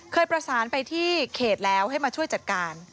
เคยประสานไปที่เขตแล้วให้มาช่วยจัดการ